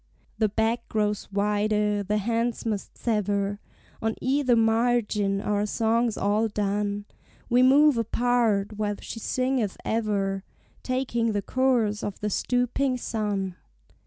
The beck grows wider, the hands must sever, On either margin, our songs all done, We move apart, while she singeth ever, Taking the course of the stooping sun.